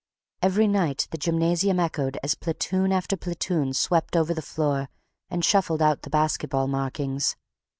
Every night the gymnasium echoed as platoon after platoon swept over the floor and shuffled out the basket ball markings.